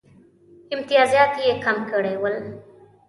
امتیازات یې کم کړي ول.